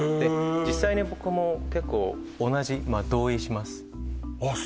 実際に僕も結構同じまあ同意しますあっ